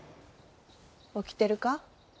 起きてるか？